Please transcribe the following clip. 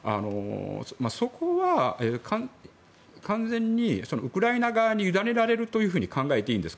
そこは完全にウクライナ側に委ねられるというふうに考えていいんですか？